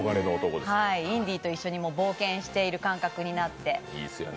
インディと一緒に冒険している感覚になって。